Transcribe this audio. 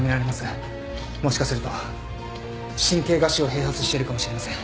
もしかすると神経芽腫を併発してるかもしれません。